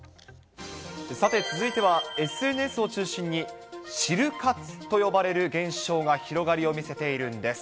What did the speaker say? さて、続いては、ＳＮＳを中心にシル活と呼ばれる現象が広がりを見せているんです。